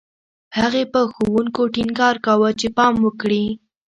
هغې په ښوونکو ټینګار کاوه چې پام وکړي